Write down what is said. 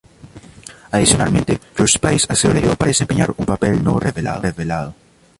Adicionalmente, Josh Pais ha sido elegido para desempeñar un papel no revelado.